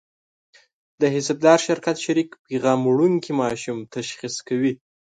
د حسابدار شرکت شریک پیغام وړونکي ماشوم تشخیص کوي.